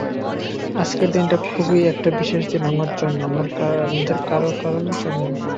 আজকের দিনটা খুবই একটা বিশেষ দিন আমার জন্য, আমাদের কারও কারও জন্য।